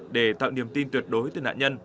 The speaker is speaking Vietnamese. để tạo niềm tin tuyệt đối từ nạn nhân